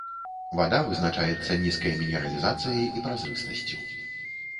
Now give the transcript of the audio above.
Вада вызначаецца нізкай мінералізацыяй і празрыстасцю.